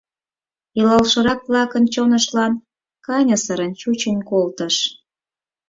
Илалшырак-влакын чоныштлан каньысырын чучын колтыш.